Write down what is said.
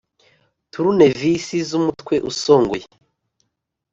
Turunevisi z’umutwe usongoye,